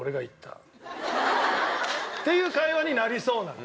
っていう会話になりそうなの。